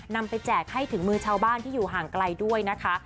นำไปแจกให้ถึงมือชาวบ้านที่อยู่ห่างไกลด้วยนะคะ